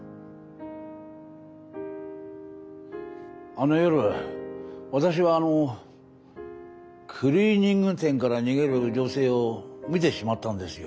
あの夜私はあのクリーニング店から逃げる女性を見てしまったんですよ。